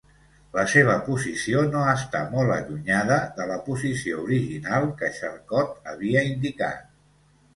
La seva posició no està molt allunyada de la posició original que Charcot havia indicat.